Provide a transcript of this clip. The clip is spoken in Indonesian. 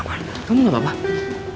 ya ampun kamu gak apa apa